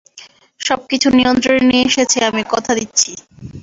সবকিছু নিয়ন্ত্রণে নিয়ে এসেছি আমি, কথা দিচ্ছি।